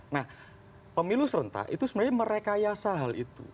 nah pemilu serentak itu sebenarnya merekayasa hal itu